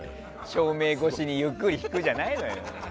照明越しにゆっくり引くじゃないのよ。